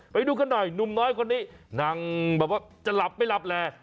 ไปดูกันหน่อยหนุ่มน้อยคนนี้นั่งแบบว่าจะหลับไม่หลับแหล่